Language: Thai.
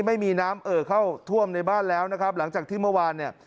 ไม่มีน้ำเอ่อเข้าท่วมในบ้านแล้วนะครับหลังจากที่เมื่อวานเนี่ย